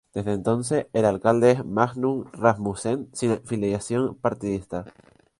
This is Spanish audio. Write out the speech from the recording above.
Desde entonces el alcalde es Magnus Rasmussen, sin filiación partidista.